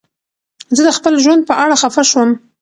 زه د خپل ژوند په اړه خفه شوم.